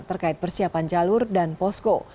terkait persiapan jalur dan posko